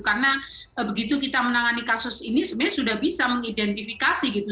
karena begitu kita menangani kasus ini sebenarnya sudah bisa mengidentifikasi gitu